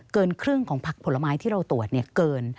เกินครึ่งของผักผลไม้ที่เราตรวจเกิน